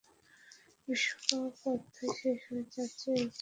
বিশ্বকাপ অধ্যায় শেষ হয়ে যাচ্ছে একজন কিংবদন্তির, বিদায়ী অভ্যর্থনা তাঁর পাওনাই।